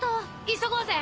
急ごうぜ！